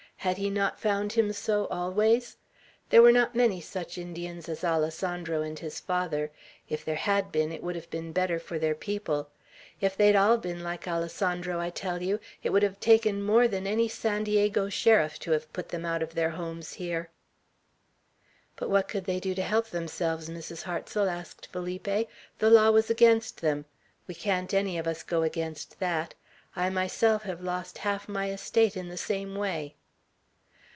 Had he not found him so always? There were not many such Indians as Alessandro and his father. If there had been, it would have been better for their people. "If they'd all been like Alessandro, I tell you," she said, "it would have taken more than any San Diego sheriff to have put them out of their homes here." "But what could they do to help themselves, Mrs. Hartsel?" asked Felipe. "The law was against them. We can't any of us go against that. I myself have lost half my estate in the same way."